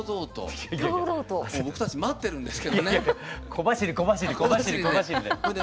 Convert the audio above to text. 小走り小走り小走りで。